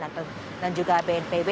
atau dan juga bnpb